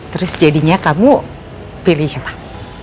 terus jadinya kamu pilih siapa pangeran atau rizky